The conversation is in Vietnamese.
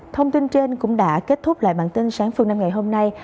thông tin trên cũng đã kết thúc lại bản tin sáng phương nam ngày hôm nay